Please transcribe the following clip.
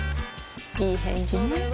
いい返事ね